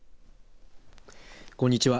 こんにちは。